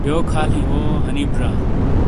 یوک حال ہی وہوحنیپ ڙا؟